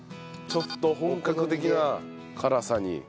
ちょっと本格的な辛さに。